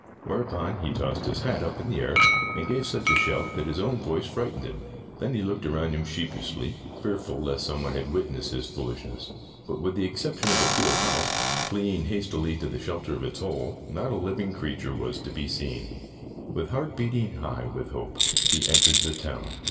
Whereupon he tossed his hat up in the air, and gave such a shout that his own voice frightened him. Then he looked around him sheepishly, fearful lest some one had witnessed his foolishness. But with the exception of a field mouse, fleeing lo Tales of Modern Germany hastily to the shelter of Its hole, not a living creature was to be seen. • With heart beating high with hope, he entered the town.